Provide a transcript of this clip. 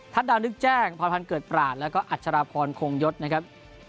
ดาวนึกแจ้งพรพันธ์เกิดปราศแล้วก็อัชราพรคงยศนะครับ